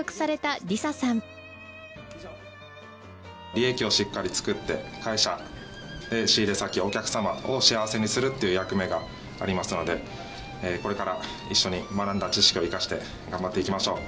利益をしっかり作って会社仕入れ先お客様を幸せにするっていう役目がありますのでこれから一緒に学んだ知識を生かして頑張っていきましょう。